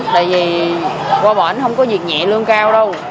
tại vì qua bệnh không có việc nhẹ lương cao đâu